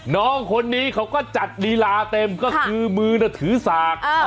น้องคนนี้เขาก็จัดลีลาเต็มก็คือมือถือสาก